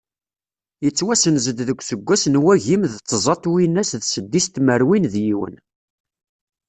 Yettwasenz-d deg useggas n wagim d tẓa twinas d seddis tmerwin d yiwen.